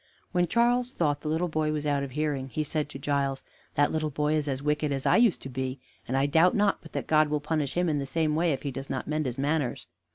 When Charles thought the little boy was out of hearing, he said to Giles: "That little boy is as wicked as I used to be, and I doubt not but that God will punish him in the same way if he does not mend his manners."